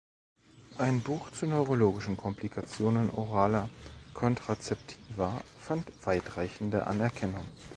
Ein Buch zu neurologischen Komplikationen oraler Kontrazeptiva fand weitreichende Anerkennung.